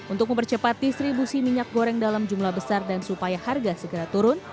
untuk mempercepat distribusi minyak goreng dalam jumlah besar dan supaya harga segera turun